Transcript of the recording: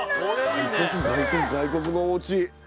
外国のおうち